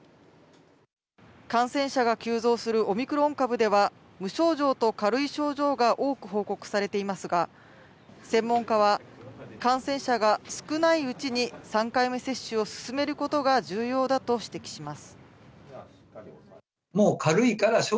感染者が急増するオミクロン株では無症状と軽い症状が多く報告されていますが、専門家は感染者が少ないうちに３回目接種を進めることが重要だと指摘します。